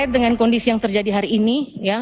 dengan kondisi yang terjadi hari ini